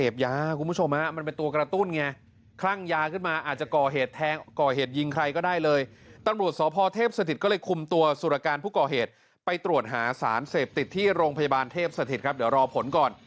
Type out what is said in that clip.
บริษัทธิบาลเทพสถิตครับเดี๋ยวรอผลก่อน